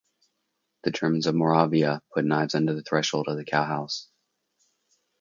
The Germans of Moravia put knives under the threshold of the cowhouse.